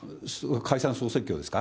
解散・総選挙ですか？